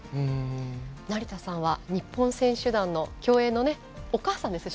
成田さんは日本選手団の競泳のお母さんですよね。